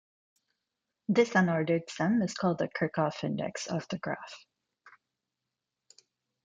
This unordered sum is called the Kirchhoff index of the graph.